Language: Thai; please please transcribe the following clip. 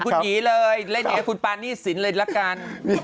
ขอโทษเลยเล่นให้คุณปานี่ศิษย์เลยล่ะกัน